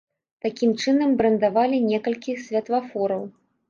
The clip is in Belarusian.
Такім чынам брэндавалі некалькі святлафораў.